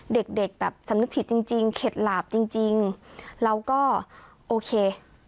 เด็กเด็กแบบสำนึกผิดจริงจริงเข็ดหลาบจริงจริงเราก็โอเค